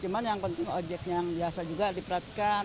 cuma yang penting ojek yang biasa juga diperhatikan